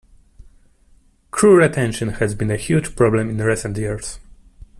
Crew retention has been a huge problem in recent years.